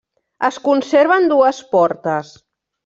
Es conserven dues portes.